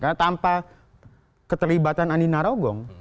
karena tanpa keterlibatan andina rogong